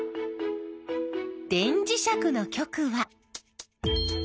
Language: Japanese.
電磁石の極は。